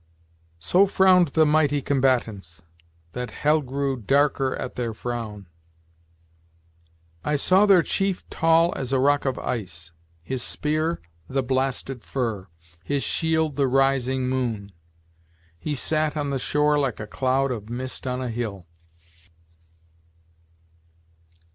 "So frowned the mighty combatants, that hell Grew darker at their frown." "I saw their chief tall as a rock of ice; his spear the blasted fir; his shield the rising moon; he sat on the shore like a cloud of mist on a hill."